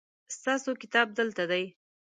ستاسو کتاب دلته دی